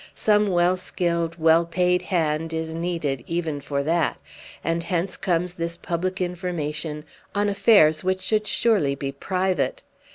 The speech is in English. Some well skilled, well paid hand is needed even for that, and hence comes this public information on affairs which should surely be private.